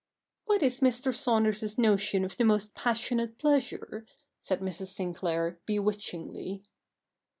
' What is Mr. Saunders's notion of the most passionate pleasure ?' said ^Mrs. Sinclair bewitchingly.